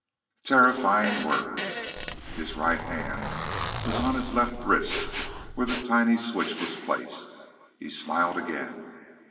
Terrifying words! His right hand was on his left wrist where the tiny switch was placed. He smiled again.